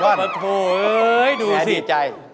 โอ้โฮเฮ้ยดูสิแบบดีใจ